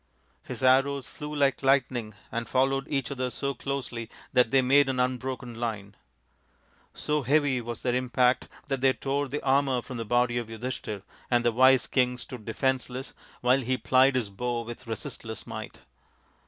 His arrows flew like lightning and followed each other so closely that they made an unbroken line. So heavy was their impact that they tore the armour from the body of Yudhishthir, and the wise king stood defenceless while he plied his bow with resistless might.